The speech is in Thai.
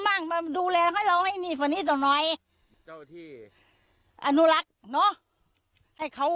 ่งมาดูแลให้เราให้ดีกว่านี้ต่อหน่อยเจ้าที่อนุรักษ์เนอะให้เขา